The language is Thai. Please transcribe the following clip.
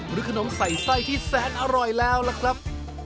หรือขนมใส่ไส้ที่แสนอร่อยแล้วล่ะครับ